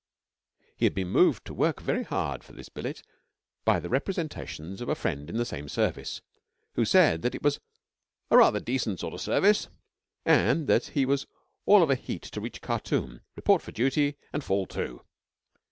He had been moved to work very hard for this billet by the representations of a friend in the same service, who said that it was a 'rather decent sort of service,' and he was all of a heat to reach Khartum, report for duty, and fall to.